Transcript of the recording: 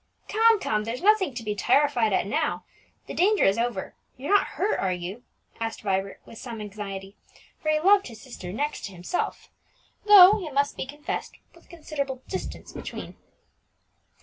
"Come, come, there's nothing to be terrified at now; the danger is over. You're not hurt, are you?" asked Vibert, with some anxiety, for he loved his sister next to himself, though, it must be confessed, with a considerable space between.